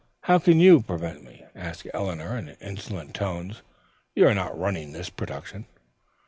"How can you prevent me!" asked Eleanor in insolent tones. "You are not running this production."